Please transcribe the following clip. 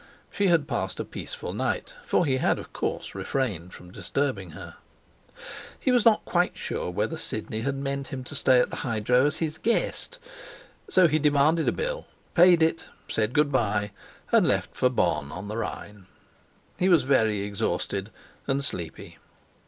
She had passed a peaceful night, for he had, of course, refrained from disturbing her. He was not quite sure whether Sidney had meant him to stay at the hydro as his guest, so he demanded a bill, paid it, said good bye, and left for Bonn on the Rhine. He was very exhausted and sleepy.